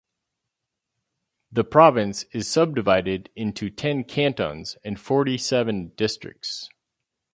The province is subdivided into ten cantons and forty seven districts.